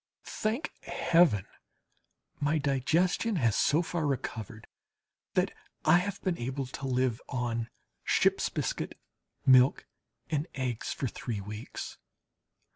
Thank Heaven! my digestion has so far recovered that I have been able to live on ships biscuit, milk and eggs for three weeks.